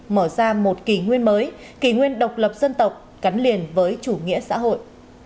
mở ra một kỷ nguyên mới kỷ nguyên độc lập dân tộc gắn liền với chủ nghĩa xã hội